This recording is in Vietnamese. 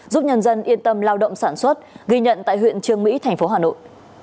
giúp nhân dân yên tâm lao động sản xuất ghi nhận tại huyện trương mỹ thành phố hà nội